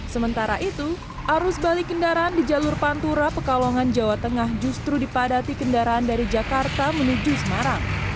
sementara itu arus balik kendaraan di jalur pantura pekalongan jawa tengah justru dipadati kendaraan dari jakarta menuju semarang